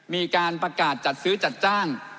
มีการประกาศจัดซื้อจัดจ้าง